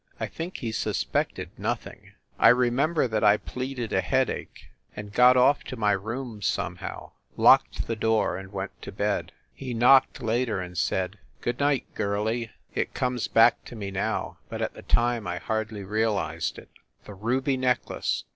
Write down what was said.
I think he suspected nothing. I remember that I THE SUITE AT THE PLAZA 141 pleaded a headache, and got off to my room, some how, locked the door, and went to bed. He knocked later and said "Good night, girlie!" It comes back to me now, but at the time I hardly realized it. The ruby necklace!